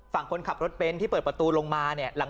ฝั่งคนขับรถเบนท์ที่เปิดประตูลงมาเนี่ย